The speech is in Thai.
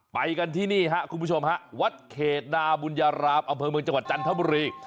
ไปกันที่นี่ครับคุณผู้ชมฮะวัดเขตนาบุญญารามอำเภอเมืองจังหวัดจันทบุรี